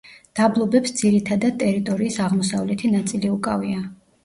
დაბლობებს ძირითადად ტერიტორიის აღმოსავლეთი ნაწილი უკავია.